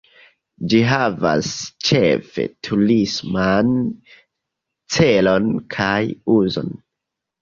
Ĝi havas ĉefe turisman celon kaj uzon.